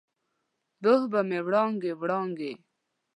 روح به مې وړانګې، وړانګې،